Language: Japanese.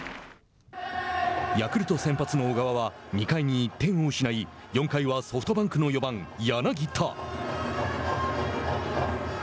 ヤクルト先発の小川は２回に１点を失い、４回は、ソフトバンクの４番柳田。